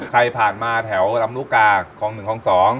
ผ่านมาแถวลำลูกกาคลอง๑คลอง๒